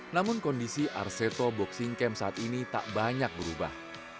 namun kondisi arseto boxing camp asli dalam duek kan tidak terlalu berubah